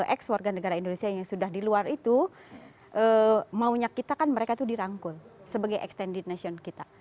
x warga negara indonesia yang sudah di luar itu maunya kita kan mereka itu dirangkul sebagai extended nation kita